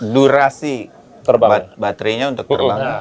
durasi baterai nya untuk terbang